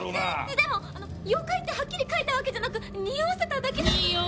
ででも「妖怪」ってはっきり書いたわけじゃなくにおわせただけなんで。